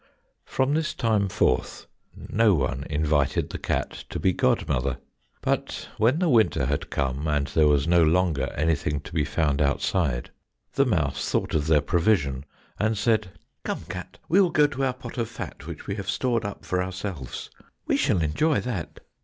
From this time forth no one invited the cat to be god mother, but when the winter had come and there was no longer anything to be found outside, the mouse thought of their provision, and said, "Come cat, we will go to our pot of fat which we have stored up for ourselves—we shall enjoy that."